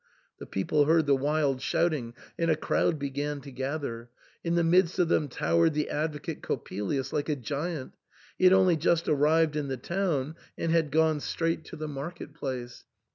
The people heard the wild shouting, and a crowd began to gather. In the midst of them towered the advocate Coppelius, like a giant ; he had only just arrived in the town, and had gone straight to the market place.